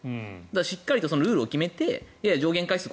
しっかりとルールを決めて上限回数